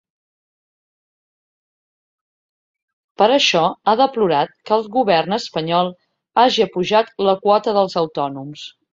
Per això, ha deplorat que el govern espanyol hagi apujat la quota dels autònoms.